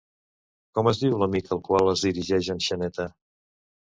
Com es diu l'amic al qual es dirigeix en Xaneta?